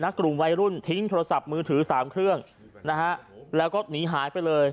กลุ่มวัยรุ่นทิ้งโทรศัพท์มือถือสามเครื่องนะฮะแล้วก็หนีหายไปเลย